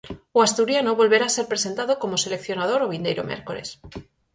O asturiano volverá ser presentado como seleccionador o vindeiro mércores.